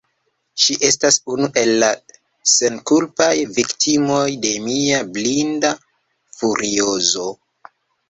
Ŝi estas unu el la senkulpaj viktimoj de mia blinda furiozo.